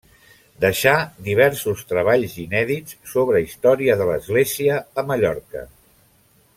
Deixà diversos treballs inèdits sobre història de l'església a Mallorca.